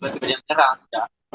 apa hati hati barreng tidak hf